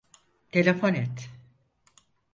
Telefon et.